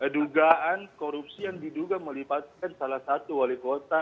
dugaan korupsi yang diduga melibatkan salah satu wali kota